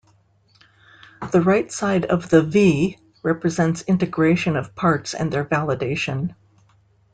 The right side of the "V" represents integration of parts and their validation.